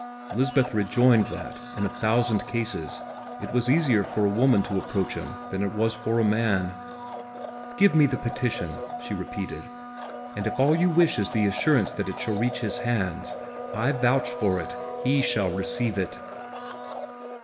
Lisbeth rejoined that, in a thousand cases, it was easier for a woman to approach him than it was for a man. "Give me the petition," she repeated, "and if all that you wish is the assurance that it shall reach his hands, I vouch for it; he shall receive it!"